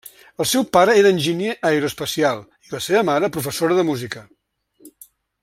El seu pare era enginyer aeroespacial, i la seva mare, professora de música.